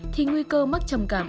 thì nguy cơ mắc trầm cảm